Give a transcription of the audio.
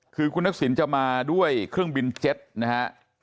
คือคุณทักษิณจะมาด้วยเครื่องบินเจ็ตนะฮะ